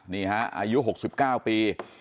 นี่ฮะอายุ๖๙ปี